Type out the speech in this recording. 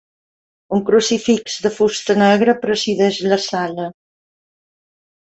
Un crucifix de fusta negra presideix la sala.